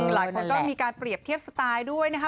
หลายคนก็มีการเปรียบเทียบสไตล์ด้วยนะคะ